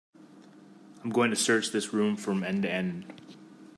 I'm going to search this room from end to end.